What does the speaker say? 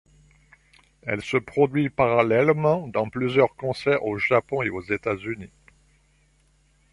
Elle se produit parallèlement dans plusieurs concerts au Japon et aux États-Unis.